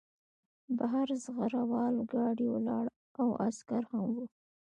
بهر زغره وال ګاډی ولاړ و او عسکر هم وو